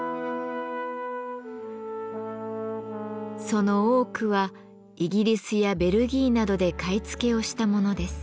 その多くはイギリスやベルギーなどで買い付けをしたものです。